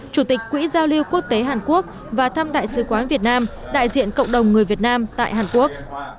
chủ tịch quỹ giao lưu quốc tế hàn quốc và thăm đại sứ quán việt nam đại diện cộng đồng người việt nam tại hàn quốc